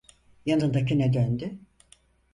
Yanındakine döndü.